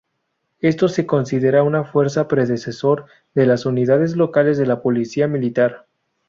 Esto se considera una fuerza predecesor de las unidades locales de la policía militar.